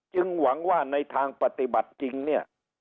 หวังว่าในทางปฏิบัติจริงเนี่ย